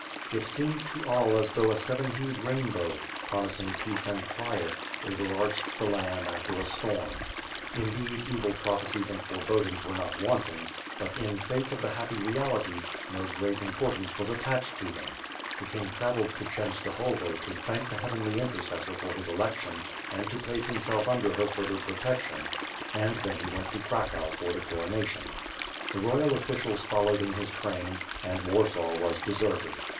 It seemed to all bs though a seven hued rainbow, promising peace and quiet, overarched the land after a storm. Indeed, evil prophecies and forebodings were not wanting; but, in face of the happy reality, no great importance was 568 WITH FIRE AND SWORD. 569 attached to them. The king travelled to Chenstohovo to thank the heavenly intercessor for his election and to place himself under her further protection, and then he went to Cracow for the coronation. The royal officials followed in his train, and Warsaw was deserted.